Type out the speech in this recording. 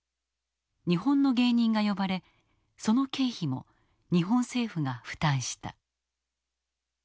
日本の芸人が呼ばれその経費も日本政府が負担した。